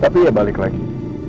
tapi ya balik lagi